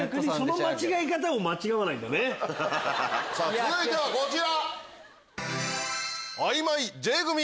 続いてはこちら！